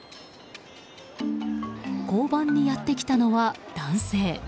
交番にやってきたのは男性。